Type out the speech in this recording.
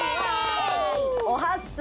おはっす。